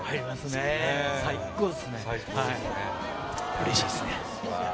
うれしいですね。